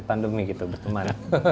pandemi gitu berteman